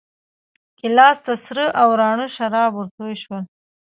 ګیلاس ته سره او راڼه شراب ورتوی شول.